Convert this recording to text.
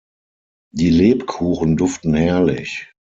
Die Lebkuchen duften herrlich.